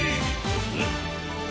うん！